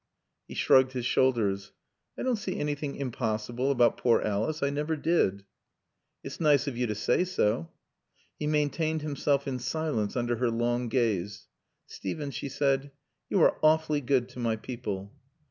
He shrugged his shoulders. "I don't see anything impossible about 'poor Alice.' I never did." "It's nice of you to say so." He maintained himself in silence under her long gaze. "Steven," she said, "you are awfully good to my people."